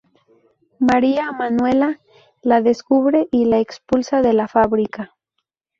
María Manuela la descubre y la expulsa de la fábrica.